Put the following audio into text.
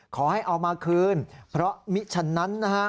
ขอให้เอามาคืนเพราะมิฉะนั้นนะฮะ